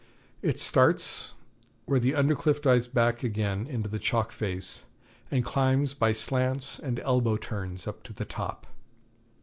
It starts where the under cliff dies back again into the chalk face, and climbs by slants and elbow turns up to the top.